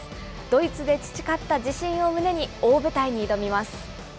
ドイツで培った自信を胸に、大舞台に挑みます。